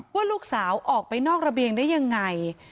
ว่าลูกสาวออกไปนอกระเบียงได้ยังไง